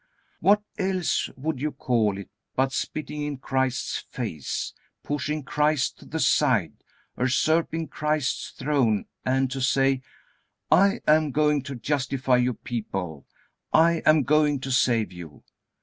What else would you call it but spitting in Christ's face, pushing Christ to the side, usurping Christ's throne, and to say: "I am going to justify you people; I am going to save you."